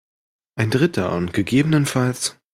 Ein dritter und ggf.